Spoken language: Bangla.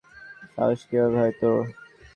সাহস কীভাবে হয় তোর?